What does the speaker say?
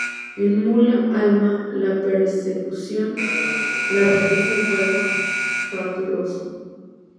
En "Mula alma" la percusión la realiza Osvaldo Fattoruso.